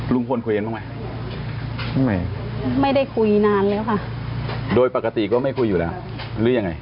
ลุงพลคุยกันบ้างไหมไม่ไม่ได้คุยนานแล้วค่ะโดยปกติก็ไม่คุยอยู่แล้วหรือยังไง